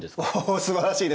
すばらしいですか。